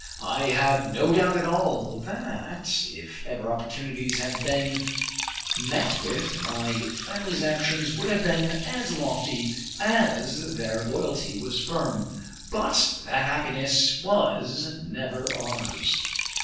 I have no doubt at all, that, if ever opportunities had been met with, my family's actions would have been as lofty as their loyalty was firm: but that happiness was never ours."